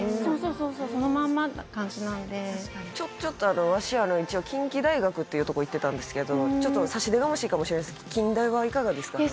そのまんまな感じなんでちょっとわしは一応近畿大学っていうとこ行ってたんですけど差し出がましいかもしれないですけど近大はいかがですかね？